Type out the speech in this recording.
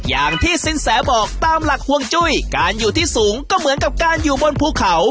อย่างที่สินแสบอกตามหลักห่วงจุ้ยการอยู่ที่สูงก็เหมือนกับการอยู่บนภูเขา